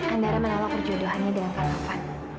andara menolak perjodohannya dengan kak tava